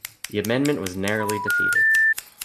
The amendment was narrowly defeated.